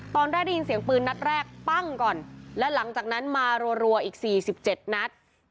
ตอนแรกได้ยินเสียงปืนนัดแรกปั้งก่อนและหลังจากนั้นมารวรัวอีกสี่สิบเจ็ดนัด